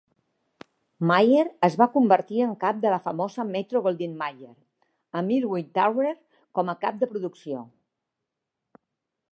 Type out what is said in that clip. Mayer es va convertir en cap de la famosa Metro-Goldwyn-Mayer, amb Irving Thalberg com a cap de producció.